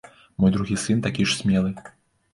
Мой другі сын такі ж смелы.